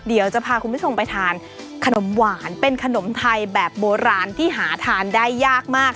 เดี๋ยวจะพาคุณผู้ชมไปทานขนมหวานเป็นขนมไทยแบบโบราณที่หาทานได้ยากมาก